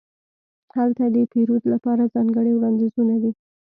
هلته د پیرود لپاره ځانګړې وړاندیزونه دي.